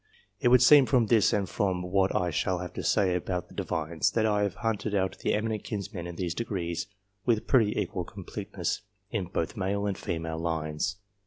It would seem from this and from what I shall have to say about the Divines, that I have hunted out the eminent kinsmen in these degrees, with pretty equal completeness, in both male and female lines.